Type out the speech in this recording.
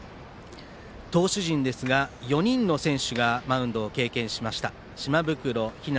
投手陣ですが４人の選手がマウンドを経験しました。